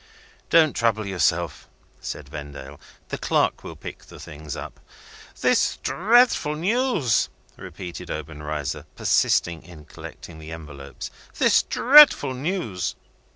"Don't trouble yourself," said Vendale. "The clerk will pick the things up." "This dreadful news!" repeated Obenreizer, persisting in collecting the envelopes. "This dreadful news!"